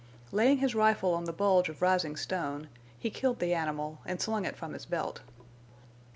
Laying his rifle on the bulge of rising stone, he killed the animal and slung it from his belt.